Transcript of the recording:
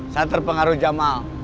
saya terpengaruh jamal